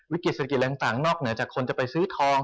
เว้นที่เศรษฐกิจแรงต่างนอกเหนือจากคนจะไปซื้อทอง